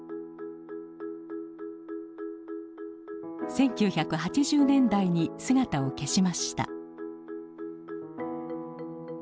１９８０年代に姿を消しました。